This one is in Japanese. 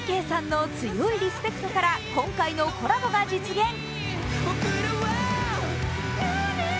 ＴＫさんの強いリスペクトから今回のコラボが実現。